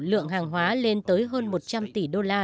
lượng hàng hóa lên tới hơn một trăm linh tỷ đô la